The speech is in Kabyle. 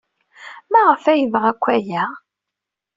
Maɣef ay yebɣa akk aya?